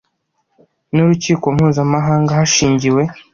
N urukiko mpuzamahanga hashingiwe